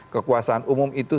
kekuasaan umum itu